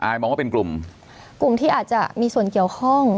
มองว่าเป็นกลุ่มกลุ่มที่อาจจะมีส่วนเกี่ยวข้อง